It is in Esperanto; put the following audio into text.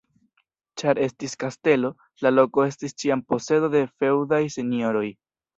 Ĉar estis kastelo, la loko estis ĉiam posedo de feŭdaj senjoroj.